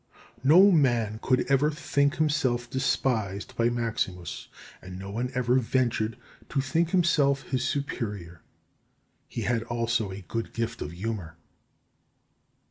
No man could ever think himself despised by Maximus, and no one ever ventured to think himself his superior. He had also a good gift of humour.